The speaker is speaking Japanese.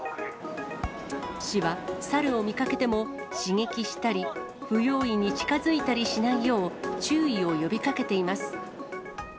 市は、猿を見かけても刺激したり、不用意に近づいたりしないよう、注意を呼びかけています。